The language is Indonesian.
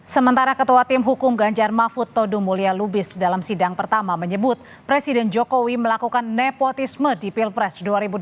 sementara ketua tim hukum ganjar mahfud todu mulya lubis dalam sidang pertama menyebut presiden jokowi melakukan nepotisme di pilpres dua ribu dua puluh